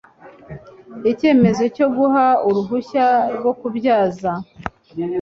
icyemezo cyo guha uruhushya rwo kubyaza